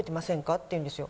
って言うんですよ。